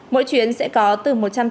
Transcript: mỗi chuyến sẽ có bốn năm chuyến bay